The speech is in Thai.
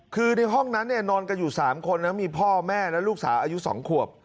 คือในห้องนั้นเนี่ยนอนกันอยู่๓คนนะมีพ่อแม่และลูกสาวอายุ๒ขวบ